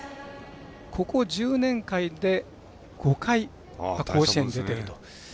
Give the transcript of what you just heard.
ここ１０年間で５回甲子園に出ていると。